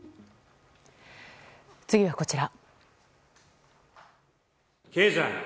次はこちら。